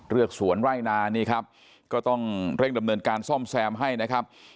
กสวนไร่นานี่ครับก็ต้องเร่งดำเนินการซ่อมแซมให้นะครับ